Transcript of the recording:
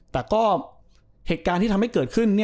แต่ก็เหตุการณ์ที่ทำให้เกิดขึ้น